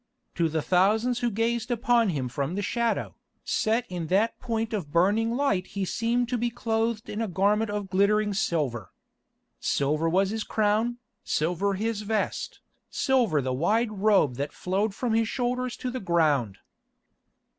To the thousands who gazed upon him from the shadow, set in that point of burning light he seemed to be clothed in a garment of glittering silver. Silver was his crown, silver his vest, silver the wide robe that flowed from his shoulders to the ground.